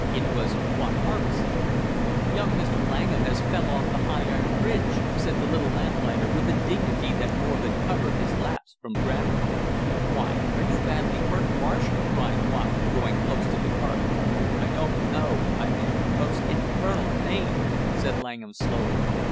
It was Watt Harbison. "Young Mr. Langham has fell off the high iron bridge," said the little lamplighter, with a dignity that more than covered his lapse from grammar. "Why are you badly hurt, Marsh?" cried Watt going close to the cart. "I don't know, I'm in most infernal pain," said Langham slowly.